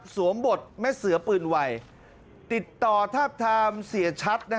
บทแม่เสือปืนไวติดต่อทาบทามเสียชัด